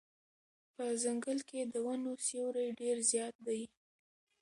په ځنګل کې د ونو سیوری ډېر زیات دی.